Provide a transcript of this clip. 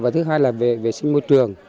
và thứ hai là vệ sinh môi trường